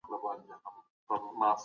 او ورځ تر بلې پیاوړی شي.